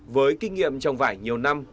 với kinh nghiệm trồng vải nhiều năm